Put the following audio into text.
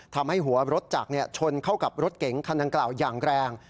ทำให้หัวรถจักรชนเข้ากับรถเก๋งคันดังกล่าวอย่างแรง